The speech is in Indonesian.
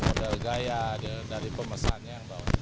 model gaya dari pemesannya